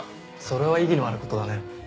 それは意義のある事だね。